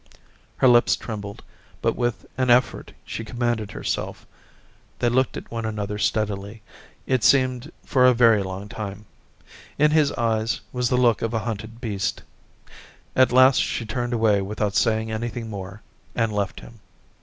Her lips trembled, but with an effort she commanded herself They looked at one s 274 Orientations another steadily, it seemed for a very long time ; in his eyes was the look of a hunted beast. ... At last she turned away with out saying anything more, and left him.